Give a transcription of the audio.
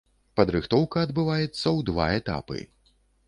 Падрыхтоўка адбываецца ў два этапы.